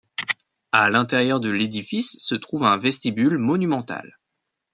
À l'intérieur de l'édifice se trouve un vestibule monumental.